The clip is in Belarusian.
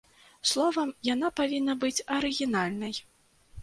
Словам, яна павінна быць арыгінальнай.